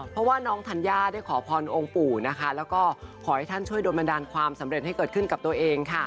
เพราะว่าน้องธัญญาได้ขอพรองค์ปู่นะคะแล้วก็ขอให้ท่านช่วยโดนบันดาลความสำเร็จให้เกิดขึ้นกับตัวเองค่ะ